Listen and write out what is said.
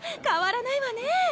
変わらないわね！